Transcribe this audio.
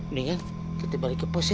nih kan kita balik ke pos ya